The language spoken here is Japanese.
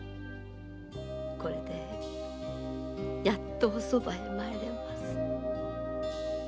これでやっとおそばに参れます。